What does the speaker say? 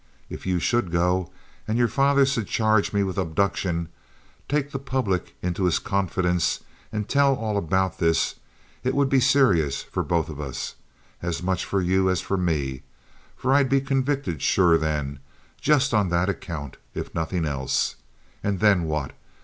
If you should go and your father should charge me with abduction—take the public into his confidence and tell all about this, it would be serious for both of us—as much for you as for me, for I'd be convicted sure then, just on that account, if nothing else. And then what?